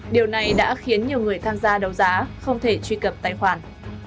điều này đã khiến nhiều người tham gia đấu giá không thể truy cập tài khoản